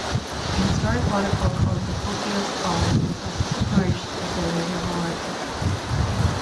A historic waterfall called the Pokiok Falls was also submerged as the reservoir filled.